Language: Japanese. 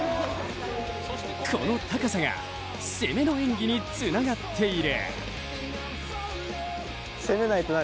この高さが攻めの演技につながっている。